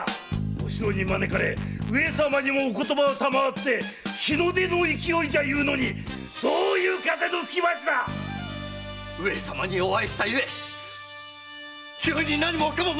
お城に招かれ上様にもお言葉を賜って日の出の勢いじゃというのにどういう風の吹き回しだ⁉上様にお会いしたゆえ急に何もかも空しくなったのだ！